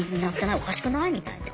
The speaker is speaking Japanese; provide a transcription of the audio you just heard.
おかしくない？みたいな。